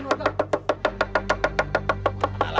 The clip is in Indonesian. bawa mereka keluar